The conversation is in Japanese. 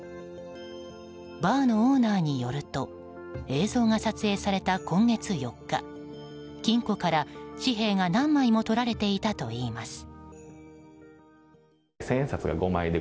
バーのオーナーによると映像が撮影された今月４日金庫から紙幣が何枚も取られていたといいます。